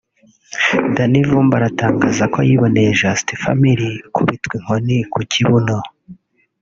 Danny Vumbi atangaza ko yiboneye Just Family ikubitwa inkoni ku kibuno